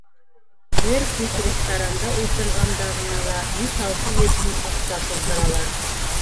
Бер кис ресторанда ултырғанда ғына ла биш-алты йөҙ һум аҡса туҙҙыралар.